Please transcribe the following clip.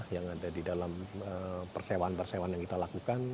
yang ada di dalam persewaan persewaan yang kita lakukan